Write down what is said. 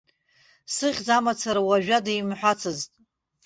Сыхьӡ амацара уажәада имҳәацызт.